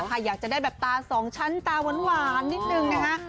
อยากจะได้แบบตาสองชั้นตาหวานนิดนึงนะคะ